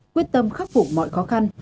quyết tâm khắc phục mọi khó khăn